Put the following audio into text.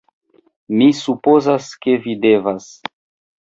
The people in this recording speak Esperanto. Mi supozas, ke vi devas...